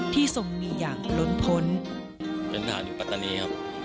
ทรงมีอย่างล้นพ้นเป็นฐานอยู่ปัตตานีครับ